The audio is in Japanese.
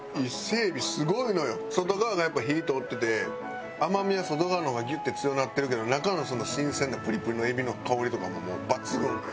外側がやっぱ火通ってて甘みは外側の方がギュッて強なってるけど中の新鮮なプリプリの海老の香りとかももう抜群。